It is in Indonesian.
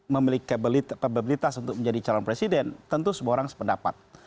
memiliki kapabilitas untuk menjadi calon presiden tentu semua orang sependapat